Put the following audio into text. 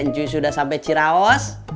ncuye sudah sampai ciraus